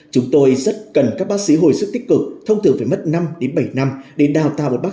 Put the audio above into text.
chúng tôi rất cần các bác sĩ hồi sức tích cực thông thường phải mất năm đến bảy năm để đào tạo một bác sĩ